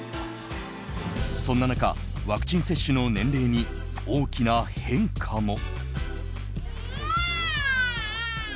そんな中、ワクチン接種の年齢に大きな変化も。